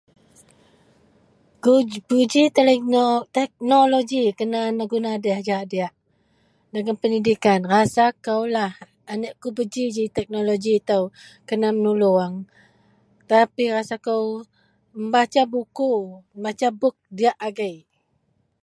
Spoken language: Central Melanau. Kuji tekno teknoloji kena neguna ajar diyak dagen pendidikan rasa kou aniek kuba ji ji teknoloji ito kena menolong tapi rasa kou mebasa buku book diyak agei.